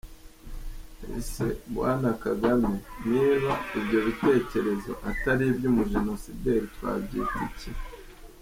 Ese, Bwana Kagame, niba ibyo bikekerezo atari ibyumujenosideri, twabyita iki?